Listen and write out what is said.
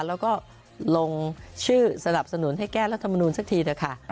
แล้วก็ลงชื่อสนับสนุนให้แก้รัฐมนูลสักทีเถอะค่ะ